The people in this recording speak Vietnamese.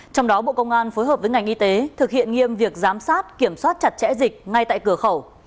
trong đó bộ công an phối hợp với ngành y tế thực hiện nghiêm việc giám sát kiểm soát chặt chẽ dịch ngay tại cửa khẩu